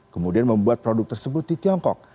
kemudian membuat produk tersebut di tiongkok